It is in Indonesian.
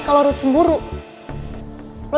kalau lo main pergi gitu aja keliatan banget